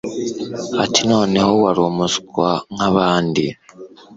Ati Noneho wari umuswa gusa nkabandi